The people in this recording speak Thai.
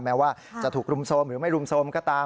แม้ว่าจะถูกรุมโทรมหรือไม่รุมโทรมก็ตาม